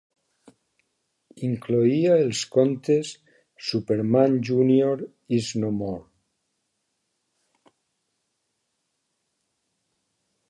Incloïa els contes "Superman Junior Is No More!"